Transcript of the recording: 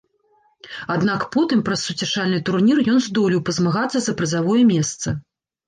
Аднак потым праз суцяшальны турнір ён здолеў пазмагацца за прызавое месца.